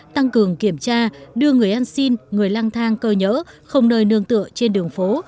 tăng cường kiểm tra đưa người ăn xin người lang thang cơ nhỡ không nơi nương tựa trên đường phố